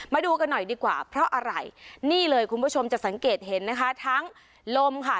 มาดูกันหน่อยดีกว่าเพราะอะไรนี่เลยคุณผู้ชมจะสังเกตเห็นนะคะทั้งลมค่ะ